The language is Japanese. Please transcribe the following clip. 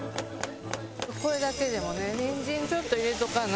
これだけでもね人参ちょっと入れとかな。